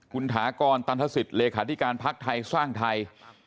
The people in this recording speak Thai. คุณถากรตันทศิษย์เลขาธิการพักไทยสร้างไทย